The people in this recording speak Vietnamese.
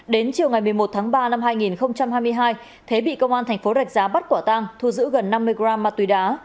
đến chiều ngày một mươi một tháng ba năm hai nghìn hai mươi hai thế bị công an thành phố rạch giá bắt quả tang thu giữ gần năm mươi gram ma túy đá